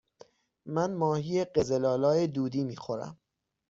من ماهی قزل آلا دودی می خورم.